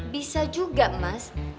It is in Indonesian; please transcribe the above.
bisa juga mas